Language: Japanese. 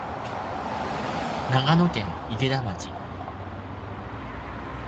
長野県池田町